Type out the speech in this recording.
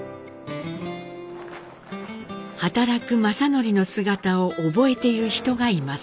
働く正徳の姿を覚えている人がいます。